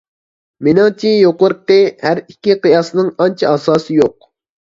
مېنىڭچە يۇقىرىقى ھەر ئىككى قىياسنىڭ ئانچە ئاساسى يوق.